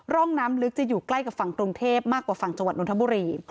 ร่องน้ำลึกจะอยู่ใกล้กับฝั่งกรุงเทพมากกว่าฝั่งจังหวัดนทบุรี